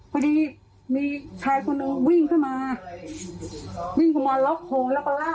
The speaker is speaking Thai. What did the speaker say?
พอดีมีชายคนหนึ่งวิ่งขึ้นมาวิ่งเข้ามาล็อกโคแล้วก็ลาก